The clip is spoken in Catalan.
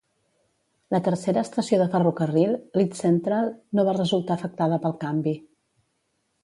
La tercera estació de ferrocarril, Leeds Central, no va resultar afectada pel canvi.